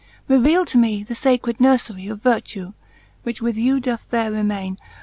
Revele to me the facred nourlery Of vertue, which with you doth there remaine.